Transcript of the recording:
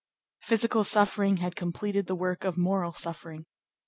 Physical suffering had completed the work of moral suffering.